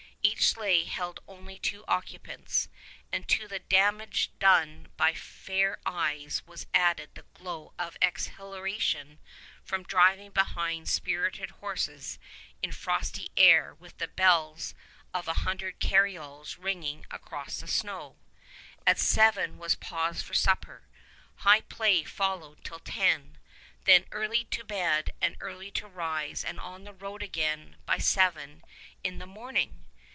Each sleigh held only two occupants, and to the damage done by fair eyes was added the glow of exhilaration from driving behind spirited horses in frosty air with the bells of a hundred carryalls ringing across the snow. At seven was pause for supper. High play followed till ten. Then early to bed and early to rise and on the road again by seven in the morning!